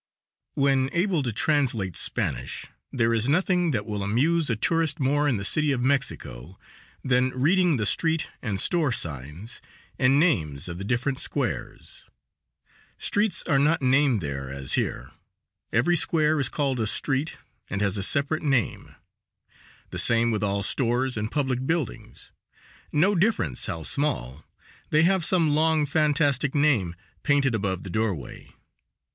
When able to translate Spanish, there is nothing that will amuse a tourist more in the City of Mexico than reading the street and store signs and names of the different squares. Streets are not named there as here. Every square is called a street and has a separate name; the same with all the stores and public buildings. No difference how small, they have some long, fantastic name painted above the doorway.